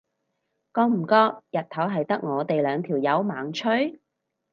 覺唔覺日頭係得我哋兩條友猛吹？